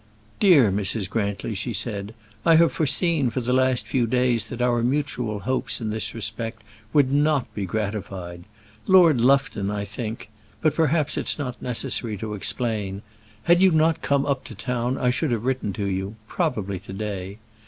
"Dear Mrs. Grantly," she said, "I have foreseen for the last few days that our mutual hopes in this respect would not be gratified. Lord Lufton, I think; but perhaps it is not necessary to explain Had you not come up to town I should have written to you, probably to day.